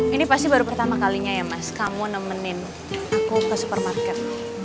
ini pasti baru pertama kalinya ya mas kamu nemenin aku ke supermarket